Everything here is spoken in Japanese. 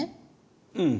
うん。